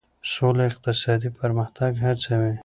سوله اقتصادي پرمختګ هڅوي.